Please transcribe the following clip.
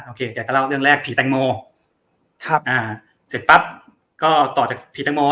แกก็เล่าเรื่องแรกผีแตงโมครับอ่าเสร็จปั๊บก็ต่อจากผีแตงโม